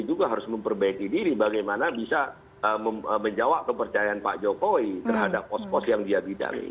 juga harus memperbaiki diri bagaimana bisa menjawab kepercayaan pak jokowi terhadap pos pos yang dia bidangi